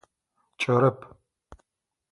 Кӏэрэп.